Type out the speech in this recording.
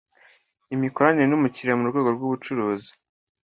imikoranire n umukiriya mu rwego rw ubucuruzi